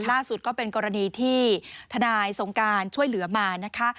ล่าสุดก็เป็นกรณีที่ทนายสงการช่วยเหลือมานะคะ